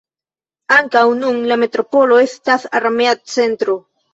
Ankaŭ nun la metropolo estas armea centro.